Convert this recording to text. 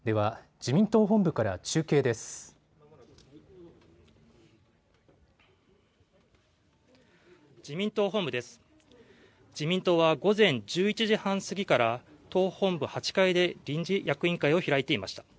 自民党は午前１１時半過ぎから党本部８階で臨時役員会を開いていました。